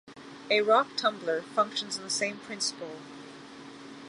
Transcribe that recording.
A rock tumbler functions on the same principle.